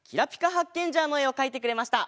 ハッケンジャーのえをかいてくれました。